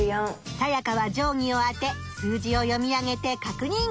サヤカは定ぎを当て数字を読み上げて確認！